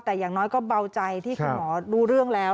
แต่อย่างน้อยก็เบาใจที่คุณหมอรู้เรื่องแล้ว